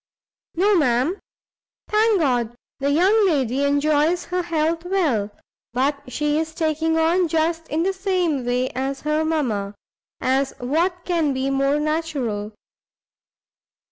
"No, ma'am; thank God, the young lady enjoys her health very well: but she is taking on just in the same way as her mamma, as what can be more natural?